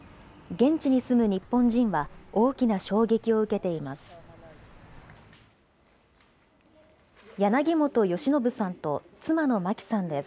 現地に住む日本人は大きな衝撃を受けています。